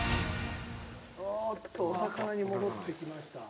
おっとお魚に戻ってきました。